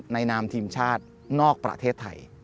นามทีมชาตินอกประเทศไทย